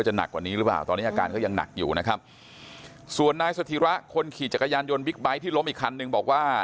หนักกว่านี้หรือเปล่าตอนนี้อาการก็ยังหนักอยู่นะครับส่วนนายสถิระคนขี่จักรยานยนต์บิ๊กไบท์ที่ล้มอีกคันนึงบอกว่า